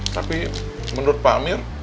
tapi menurut pak hamir